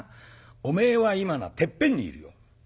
おめえは今なてっぺんにいるよ。